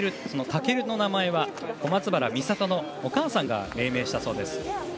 その尊の名前は小松原美里のお母さんが命名したそうです。